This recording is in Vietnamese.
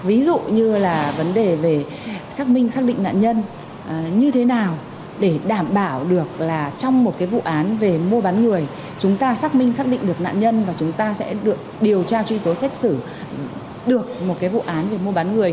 ví dụ như là vấn đề về xác minh xác định nạn nhân như thế nào để đảm bảo được là trong một cái vụ án về mua bán người chúng ta xác minh xác định được nạn nhân và chúng ta sẽ được điều tra truy tố xét xử được một cái vụ án về mua bán người